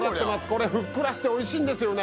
これふっくらしておいしいんです